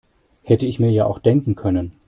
Hätte ich mir ja auch denken können.